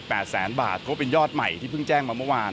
แสนบาทเพราะเป็นยอดใหม่ที่เพิ่งแจ้งมาเมื่อวาน